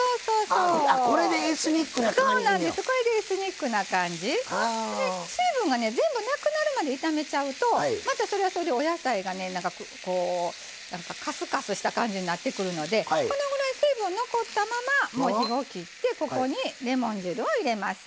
それで水分が全部なくなるまで炒めちゃうとまたそれはそれでお野菜がねなんかこうかすかすした感じになってくるのでこのぐらい水分を残ったままもう火を切ってここにレモン汁を入れます。